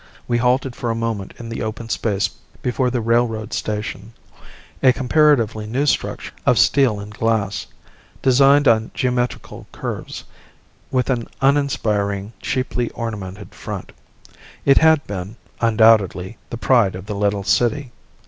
We halted for a moment in the open space before the railroad station, a comparatively new structure of steel and glass, designed on geometrical curves, with an uninspiring, cheaply ornamented front. It had been, undoubtedly, the pride of the little city.